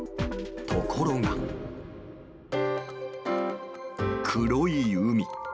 ところが、黒い海。